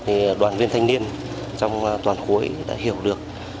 thì đoàn viên thanh niên trong toàn khối đã hiểu được